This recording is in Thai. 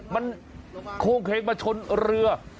มันโคงเคงมาชนเรือ